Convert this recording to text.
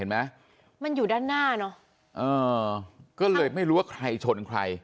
เห็นไหมมันอยู่ด้านหน้าเนอะเออก็เลยไม่รู้ว่าใครชนใคร